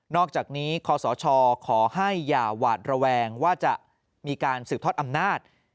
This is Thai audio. อกจากนี้คศขอให้อย่าหวาดระแวงว่าจะมีการสืบทอดอำนาจ